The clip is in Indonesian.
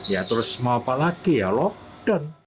ya terus mau apa lagi ya lockdown